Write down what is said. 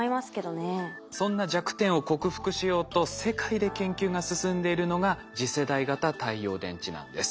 そんな弱点を克服しようと世界で研究が進んでいるのが次世代型太陽電池なんです。